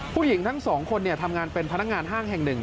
ผู้หญิงทั้งสองคนทำงานเป็นพนักงานห้างแห่งหนึ่ง